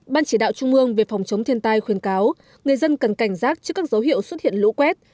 ban chỉ đạo trung ương về phòng chống thiên tai khuyên cáo người dân cần cảnh giác trước các dấu hiệu xuất hiện lũ quét